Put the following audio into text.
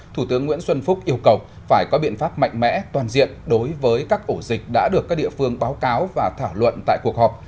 thủ tướng nguyễn xuân phúc yêu cầu phải có biện pháp mạnh mẽ toàn diện đối với các ổ dịch đã được các địa phương báo cáo và thảo luận tại cuộc họp